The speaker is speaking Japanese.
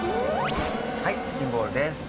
はいチキンボールです